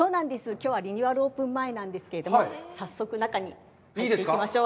きょうはリニューアルオープン前なんですけれども、早速、中に入っていきましょう。